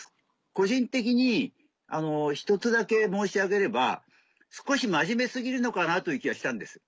個人的に１つだけ申し上げれば少し真面目過ぎるのかなという気はしたんです。